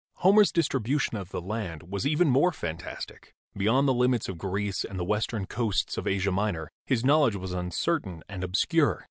Homer's distribution of the land was even more fantas tic. Beyond the limits of Greece and the western coasts of Asia Minor his knowledge was uncertain and obscure.